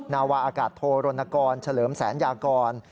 นาวาอากาศโทรนกรเฉลิมแสนยากร